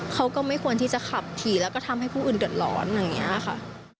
เขาก็ไม่ควรที่จะขับขี่แล้วก็ทำให้ผู้อื่นเดือดร้อนอย่างนี้ค่ะ